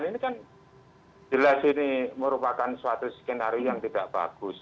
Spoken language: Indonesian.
ini kan jelas ini merupakan suatu skenario yang tidak bagus